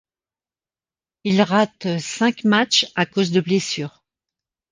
Il rate cinq matchs à cause de blessure.